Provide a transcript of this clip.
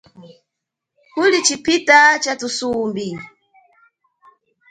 Kuli chipita cha thusumbi.